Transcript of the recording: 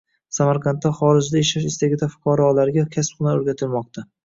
Samarqandda xorijda ishlash istagidagi fuqarolarga kasb -hunar o‘rgatilmoqda